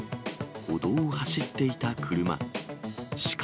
歩道を走っていた車。